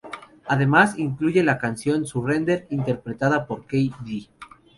Además, incluye la canción "Surrender", interpretada por k.d.